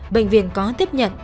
bệnh viện có tiếp nhận